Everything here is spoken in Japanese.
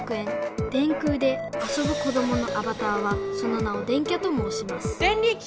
電空で遊ぶ子どものアバターはその名を「電キャ」ともうしますデンリキ！